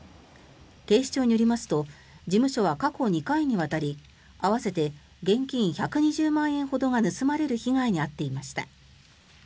警視庁によりますと事務所は過去２回にわたり合わせて現金１２０万円ほどが盗まれる被害に遭っていました。